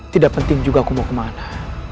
tidak penting juga aku mau kemana